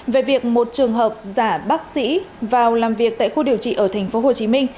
về việc một trường hợp giả bác sĩ vào làm việc tại khu điều trị ở tp hcm